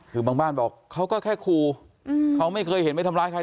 คือบางบ้านบอกเขาก็แค่คู่เขาไม่เคยเห็นไปทำร้ายใคร